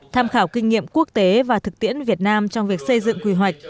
tham khảo kinh nghiệm quốc tế và thực tiễn việt nam trong việc xây dựng quy hoạch